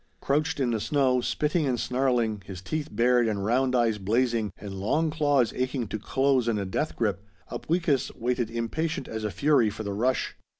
Crouched in the snow, spitting and snarling, his teeth bared and round eyes blazing and long claws aching to close in a death grip, Upweekis waited impatient as a fury for the rush.